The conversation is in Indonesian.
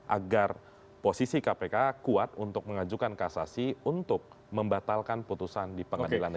agar posisi kpk kuat untuk mengajukan kasasi untuk membatalkan putusan di pengadilan negeri